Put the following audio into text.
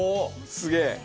すげえ。